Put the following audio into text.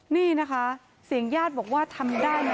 นี่นะคะเสียงญาติบอกว่าทำได้นะ